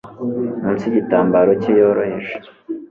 Munsi yigitambaro cye yoroheje